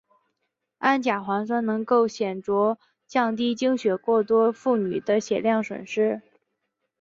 氨甲环酸能够显着降低经血过多妇女的血量损失。